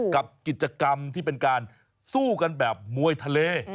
กับกิจกรรมที่เป็นการสู้กันแบบมวยทะเล